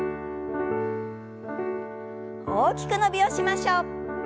大きく伸びをしましょう。